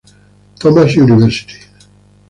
Thomas University.